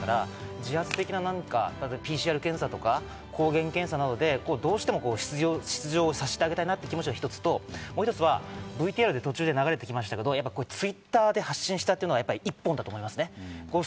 自発的なＰＣＲ検査とか抗原検査などでどうしても出場させてあげたいなという気持ちが一つと、ＶＴＲ途中で流れてきましたけど、Ｔｗｉｔｔｅｒで発信したというのは一本だと思います。